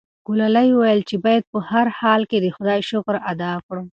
ګلالۍ وویل چې باید په هر حال کې د خدای شکر ادا کړو.